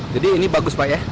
jadi ini bagus pak ya